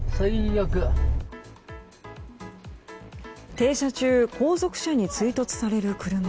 停車中後続車に追突される車。